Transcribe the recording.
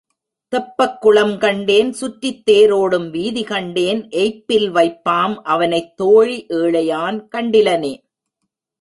தெப்பக் குளம் கண்டேன் சுற்றித் தேரோடும் வீதி கண்டேன் எய்ப்பில் வைப்பாம் அவனைத் தோழி ஏழையான் கண்டிலனே.